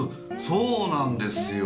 そうなんですよ。